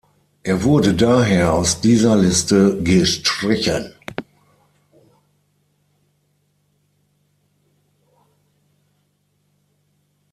Er wurde daher aus dieser Liste gestrichen.